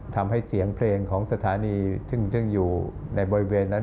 ทำให้เสียงเพลงของสถานีซึ่งอยู่ในบริเวณนั้น